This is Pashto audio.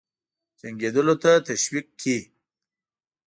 جنګېدلو ته تشویق کړي.